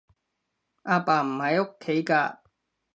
阿爸唔喺屋企㗎